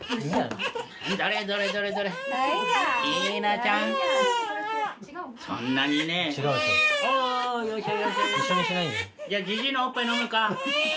じゃあジジイのおっぱい飲むか？